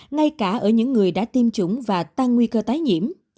ngay cả ở những người đã tiêm chủng và tăng nguy cơ tái nhiễm